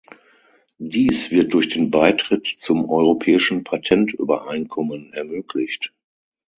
Dies wird durch den Beitritt zum Europäischen Patentübereinkommen ermöglicht.